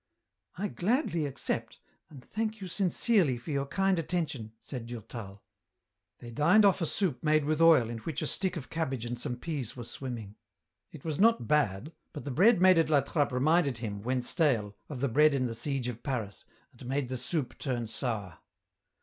" I gladly accept, and thank you sincerely for your kind attention," said Durtal. They dined off a soup made with oil in which a stick of cabbage and some peas were swimming ; it was not bad, but the bread made at La Trappe reminded him, when stale, of the bread in the siege of Paris, and made the soup turn sour.